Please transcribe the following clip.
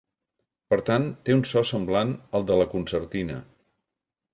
Per tant, té un so semblant al de la concertina.